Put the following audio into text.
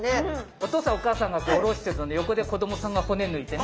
お父さんお母さんがおろしてる横で子供さんが骨抜いてね。